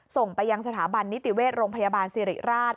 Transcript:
ส่งไปยังสถาบันนิติเวชโรงพยาบาลสิริราช